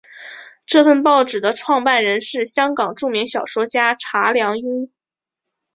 这份报纸的创办人是香港著名小说家查良镛。